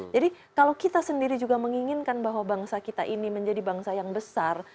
jadi kalau kita sendiri juga menginginkan bahwa bangsa kita ini menjadi bangsa yang besar